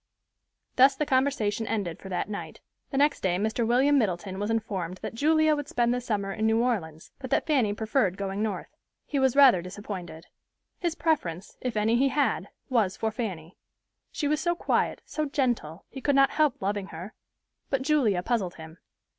Thus the conversation ended for that night. The next day Mr. William Middleton was informed that Julia would spend the summer in New Orleans, but that Fanny preferred going North. He was rather disappointed. His preference, if any he had, was for Fanny. She was so quiet, so gentle, he could not help loving her; but Julia puzzled him.